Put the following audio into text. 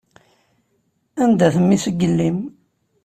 Anda-t mmi-s n yelli-m?